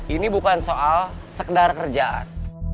ini bukan soal sekedar kerjaan